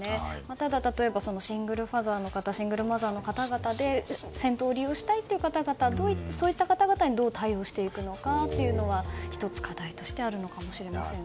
ただ、例えばシングルファーザーの方シングルマザーの方々で銭湯を利用したい方々にどう対応していくのかは１つ課題としてあるのかもしれませんね。